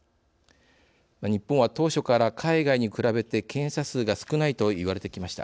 日本は、当初から海外に比べて検査数が少ないと言われてきました。